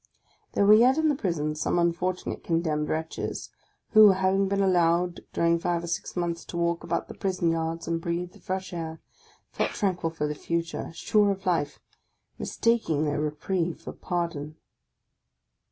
There were yet in the prisons some unfortunate condemned wretches, who, having been allowed during five or six months to walk about the prison yards and breathe the fresh air, felt tranquil for the future, sure of life, mistaking their reprieve for pardon.